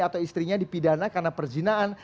atau istrinya dipidana karena perzinaan